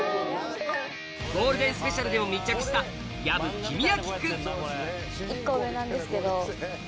ゴールデンスペシャルでも密着したおっ！